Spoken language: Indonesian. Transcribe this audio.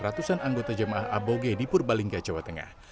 ratusan anggota jemaah aboge di purbalingga jawa tengah